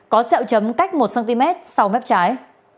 có xeo chấm cách một cm sau mép trái